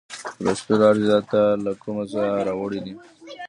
په لوستلو ارزي، دا تا له کومه ځایه راوړې دي؟